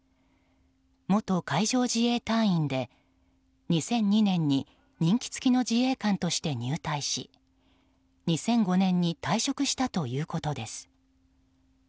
元海上自衛隊員で、２００２年に任期付きの自衛官として入隊し２００５年に退職したということです。